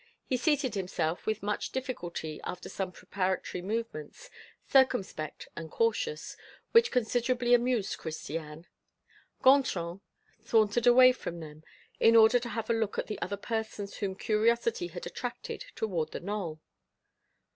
He seated himself with much difficulty after some preparatory movements, circumspect and cautious, which considerably amused Christiane. Gontran sauntered away from them, in order to have a look at the other persons whom curiosity had attracted toward the knoll.